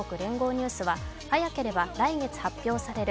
ニュースは早ければ来月発表される